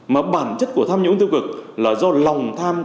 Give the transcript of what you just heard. mà bản chất của tham nhũng tiêu cực là do lòng tham